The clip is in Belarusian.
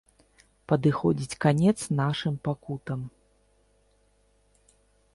Падыходзіць канец нашым пакутам.